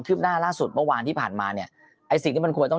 หน้าล่าสุดเมื่อวานที่ผ่านมาเนี่ยไอ้สิ่งที่มันควรต้อง